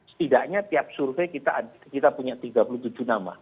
setidaknya tiap survei kita punya tiga puluh tujuh nama